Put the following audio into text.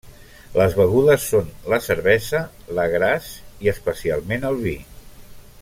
Les begudes són la cervesa, l'agràs, i especialment el vi.